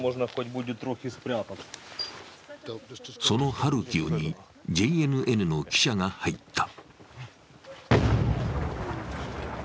そのハルキウにＪＮＮの記者が入った。